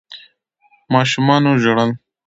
ماشومانو ژړل.